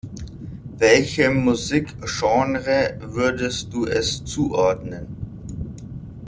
Welchem Musikgenre würdest du es zuordnen?